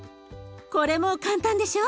これも簡単でしょう？